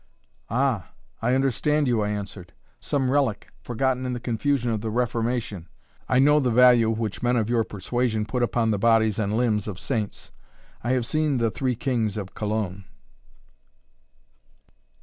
"Ah! I understand you," I answered; "some relic, forgotten in the confusion of the Reformation. I know the value which men of your persuasion put upon the bodies and limbs of saints. I have seen the Three Kings of Cologne."